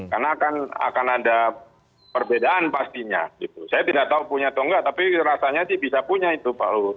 karena akan ada perbedaan pastinya gitu saya tidak tahu punya atau nggak tapi rasanya sih bisa punya itu pak lut